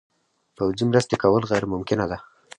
پوځي مرستې کول غیر ممکنه ده.